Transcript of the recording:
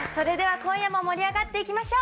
今夜も盛り上がっていきましょう。